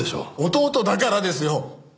弟だからですよ！